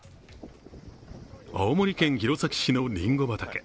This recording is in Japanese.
青森県弘前市のりんご畑。